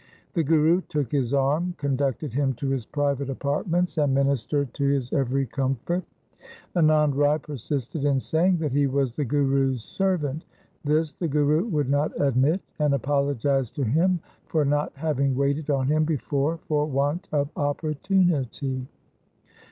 The Guru took his arm, con ducted him to his private apartments, and ministered to his every comfort. Anand Rai persisted in saying that he was the Guru's servant. This the Guru would not admit, and apologized to him for not having waited on him before for want of opportunity.